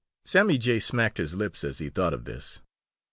Sammy Jay smacked his lips as he thought of this.